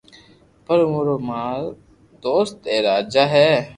پر اورو مارو دوست اي راجا ھي